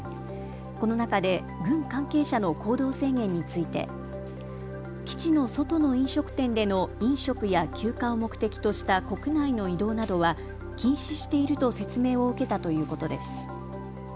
この中で軍関係者の行動制限について基地の外の飲食店での飲食や休暇を目的とした国内の移動などは禁止していると説明を受けたということです。